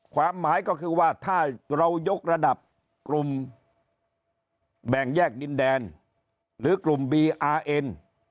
ความหมายก็คือว่าถ้าเรายกระดับกลุ่มแบ่งแยกดินแดนหรือกลุ่มบีอาร์เอ็น